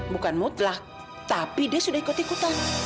bukan mutlak tapi dia sudah ikut ikutan